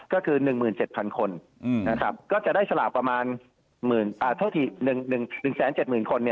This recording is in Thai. ก็คือ๑๗๐๐คนก็จะได้สลากประมาณ๑๗๐๐คน